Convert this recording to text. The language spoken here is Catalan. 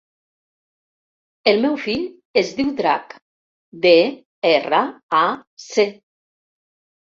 El meu fill es diu Drac: de, erra, a, ce.